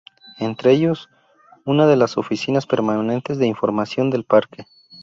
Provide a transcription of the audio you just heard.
Entre ellos una de las oficinas permanentes de información del parque.